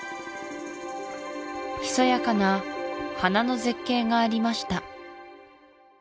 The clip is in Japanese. ひそやかな花の絶景がありました